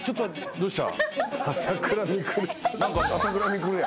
どうした？